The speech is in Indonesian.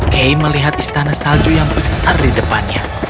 kay melihat istana salju yang besar di depannya